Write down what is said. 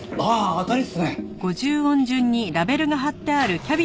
当たりっすね。